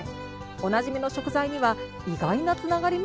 おなじみの食材には意外なつながりも！？